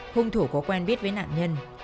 hùng thủ có quen biết với nạn nhân